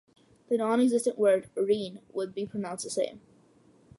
The non-existent word "reen" would be pronounced the same.